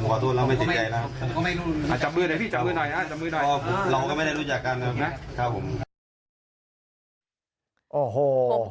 ผมขอโทษแล้วไม่เจนใจแล้วพี่จับมือหน่อยจับมือหน่อย